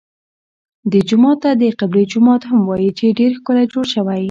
دې جومات ته د قبلې جومات هم وایي چې ډېر ښکلی جوړ شوی.